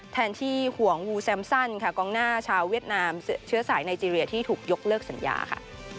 แทนที่ห่วงวูแซมซันค่ะกองหน้าชาวเวียดนามเชื้อสายไนเจรียที่ถูกยกเลิกสัญญาค่ะ